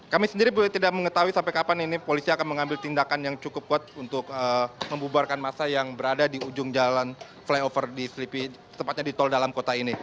kami sendiri tidak mengetahui sampai kapan ini polisi akan mengambil tindakan yang cukup kuat untuk membubarkan masa yang berada di ujung jalan flyover di selipi tepatnya di tol dalam kota ini